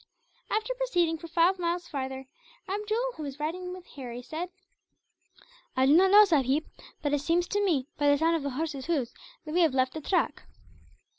After proceeding for five miles farther, Abdool, who was riding with Harry, said: "I do not know, sahib, but it seems to me, by the sound of the horses' hoofs, that we have left the track."